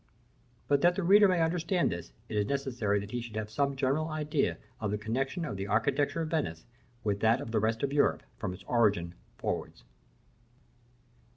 But that the reader may understand this, it is necessary that he should have some general idea of the connexion of the architecture of Venice with that of the rest of Europe, from its origin forwards.